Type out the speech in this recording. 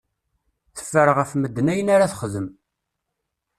Teffer ɣef medden ayen ara texdem.